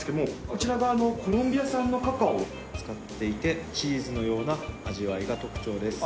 こちらがコロンビア産のカカオを使っていてチーズのような味わいが特徴です。